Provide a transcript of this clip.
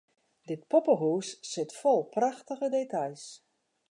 Dit poppehûs sit fol prachtige details.